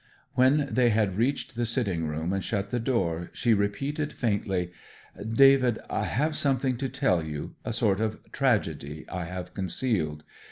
When they had reached the sitting room and shut the door she repeated, faintly, 'David, I have something to tell you a sort of tragedy I have concealed.